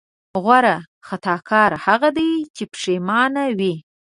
غوره خطاکار هغه دی چې پښېمانه وي.